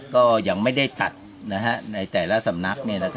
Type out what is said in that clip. ก็ยังไม่ได้ตัดในแต่ละสำนัก